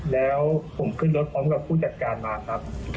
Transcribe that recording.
แล้วผมขึ้นรถพร้อมกับผู้จัดการมาครับ